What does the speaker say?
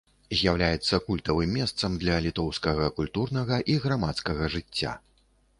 З'яўляецца культавым месцам для літоўскага культурнага і грамадскага жыцця.